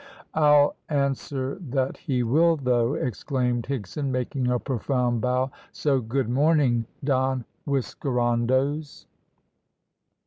"I'll answer that he will though," exclaimed Higson, making a profound bow; "so good morning, Don Whiskerandos!"